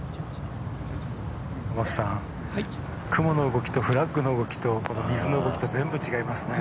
雲の動きとフラッグの動きと水の動きと全部違いますね。